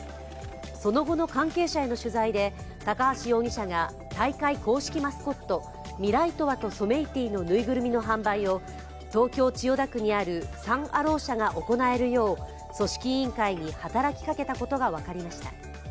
その後の関係者への取材で、高橋容疑者が大会公式マスコット、ミライトワととソメイティのぬいぐるみの販売を東京・千代田区にあるサン・アロー社が行えるよう組織委員会に働きかけたことが分かりました。